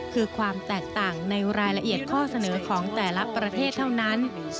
คือความแตกต่างในรายละเอียดข้อเสนอของแต่ละประเทศเท่านั้น